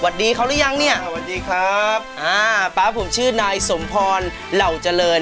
หวัดดีเขารึยังเนี้ยอ่าหวัดดีครับอ่าป๊าผมชื่อนายสมพรล่าว